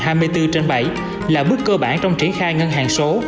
khách hàng hai mươi bốn trên bảy là bước cơ bản trong triển khai ngân hàng số